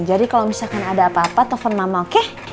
jadi kalau misalkan ada apa apa telfon mama oke